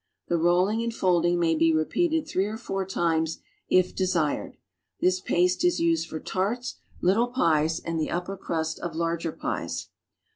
The rolling and folding may be repeated three or four times if desired. This paste is used for tarts, little pies and the upper crust of larger pies.